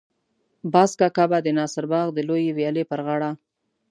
باز کاکا به د ناصر باغ د لویې ويالې پر غاړه.